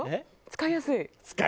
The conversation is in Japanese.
使いやすいか？